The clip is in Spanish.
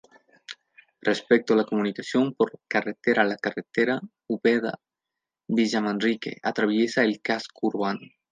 Respecto a la comunicación por carretera la carretera Ubeda-Villamanrique atraviesa el casco urbano.